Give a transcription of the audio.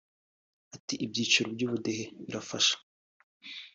Ati “Ibyiciro by’ubudehe birafasha